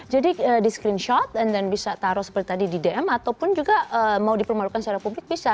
jadi di screenshot dan bisa taruh seperti tadi di dm ataupun juga mau dipermalukan secara publik bisa